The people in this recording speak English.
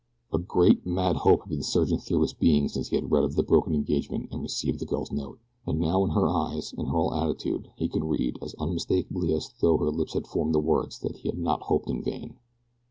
A great, mad hope had been surging through his being since he had read of the broken engagement and received the girl's note. And now in her eyes, in her whole attitude, he could read, as unmistakably as though her lips had formed the words that he had not hoped in vain.